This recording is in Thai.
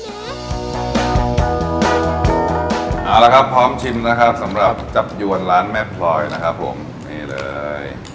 เอาละครับพร้อมชิมนะครับสำหรับจับยวนร้านแม่พลอยนะครับผมนี่เลย